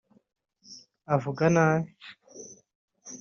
avuga nabi